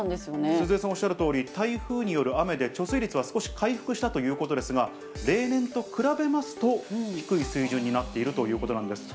鈴江さんおっしゃるとおり、台風による雨で貯水率は少し回復したということですが、例年と比べますと、低い水準になっているということなんです。